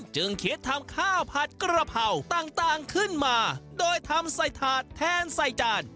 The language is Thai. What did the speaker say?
จึงคิดทำข้าวผัดกระเพราต่างขึ้นมาโดยทำใส่ถาดแทนใส่จาน